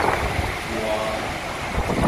外